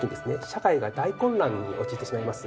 社会が大混乱に陥ってしまいます。